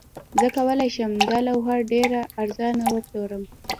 زه کولی شم دا لوحه ډیره ارزانه وپلورم